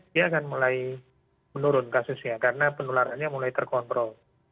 dia akan mulai menurun kasusnya karena penularannya mulai terkontrol